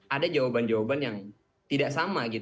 ada jawaban jawaban yang tidak sama